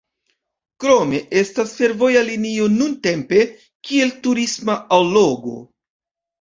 Krome estas fervoja linio nuntempe kiel turisma allogo.